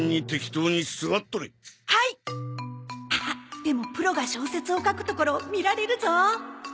あっでもプロが小説を書くところを見られるぞ